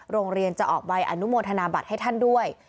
โรงเรียนจะออกใบอนุโมทนาบัตรให้ท่านด้วย